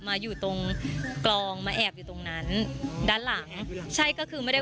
มาอยู่ตรงกลองมาแอบอยู่ตรงนั้นด้านหลังใช่ก็คือไม่ได้